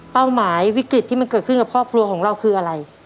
หมายวิกฤตที่มันเกิดขึ้นกับครอบครัวของเราคืออะไร